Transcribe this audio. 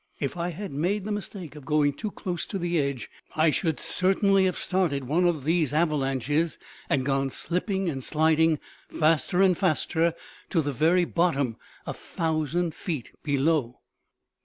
If I had made the mistake of going too close to the edge, I should certainly have started one of these avalanches and gone slipping and sliding, faster and faster, to the very bottom, a thousand feet below."